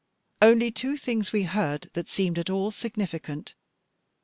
Only two things we heard that seemed at all significant.